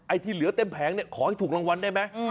ไอ้ที่เหลือเต็มแผงขอให้ถูกรางวัลได้ไหม